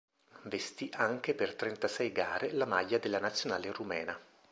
Vestì anche per trentasei gare la maglia della Nazionale rumena.